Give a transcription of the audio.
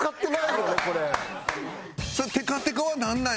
そのテカテカはなんなん？